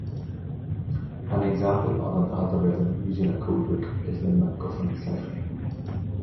An example of an algorithm using a codebook is the MacGuffin cipher.